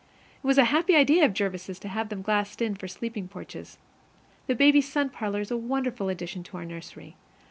It was a happy idea of Jervis's having them glassed in for sleeping porches. The babies' sun parlor is a wonderful addition to our nursery.